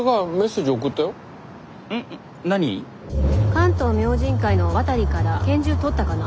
「関東明神会」の渡から拳銃取ったかな？